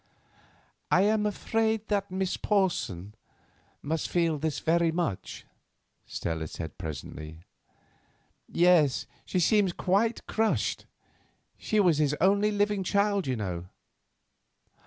"I am afraid that Miss Porson must feel this very much," Stella said presently. "Yes, she seems quite crushed. She was his only living child, you know."